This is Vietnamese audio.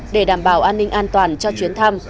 để đảm bảo an ninh an toàn cho chuyến thăm